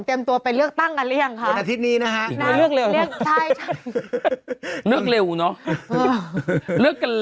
โดมแบบซูม